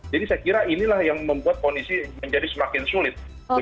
jadi saya kira inilah yang membuat kondisi menjadi semakin sulit